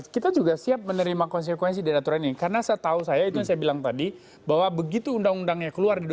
kita juga siap menerima konsekuensi dari aturan ini karena setahu saya itu yang saya bilang tadi bahwa begitu undang undangnya keluar di dua ribu dua puluh